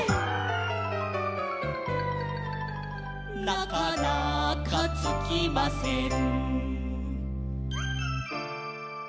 「なかなかつきません」